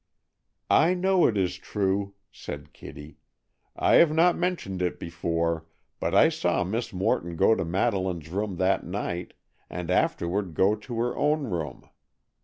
"I know it is true," said Kitty; "I have not mentioned it before, but I saw Miss Morton go to Madeleine's room that night, and afterward go to her own room.